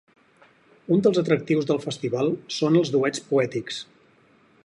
Un dels atractius del festival són els duets poètics.